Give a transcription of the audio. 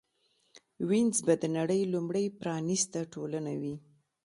وینز به د نړۍ لومړۍ پرانېسته ټولنه وي